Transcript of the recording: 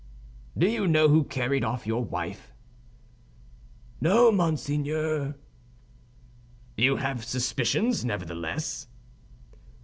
"Do you know who carried off your wife?" "No, monseigneur." "You have suspicions, nevertheless?"